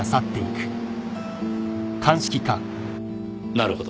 なるほど。